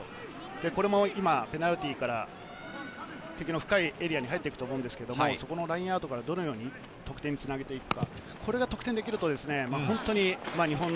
今もペナルティーから敵の深いエリアに入っていくと思うんですけれど、そこのラインアウトからどのように得点につなげていくか。